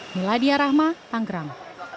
miladia rahma tanggerang